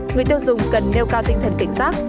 người tiêu dùng cần nêu cao tinh thần cảnh giác